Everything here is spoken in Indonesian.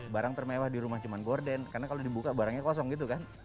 barang termewah di rumah cuma gorden karena kalau dibuka barangnya kosong gitu kan